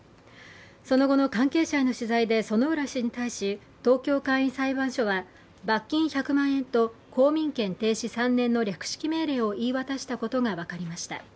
その後の関係者への取材で薗浦氏に対し東京簡易裁判所は罰金１００万円と公民権停止３年の略式命令を言い渡したことが分かりました。